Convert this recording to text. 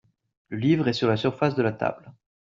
Le livre est sur la surface de la table.